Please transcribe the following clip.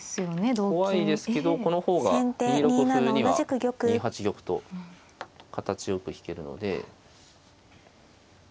怖いですけどこの方が２六歩には２八玉と形よく引けるので。